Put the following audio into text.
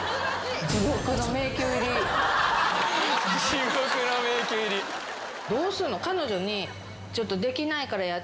「地獄の迷宮入り」どうすんの？